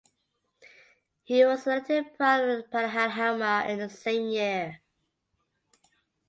He was elected prior of Pannonhalma in the same year.